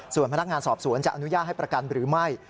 ส่วนพนักงานสอบสวนจะอนุญาตให้ประกันหรือไม่